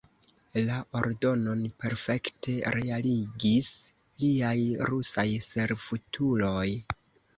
La ordonon perfekte realigis liaj rusaj servutuloj.